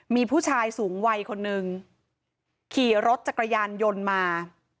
มีผู้ชายสูงวัยคนนึงขี่รถจักรยานยนต์มา